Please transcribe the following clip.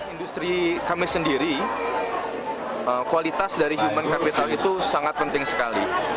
industri kami sendiri kualitas dari human capital itu sangat penting sekali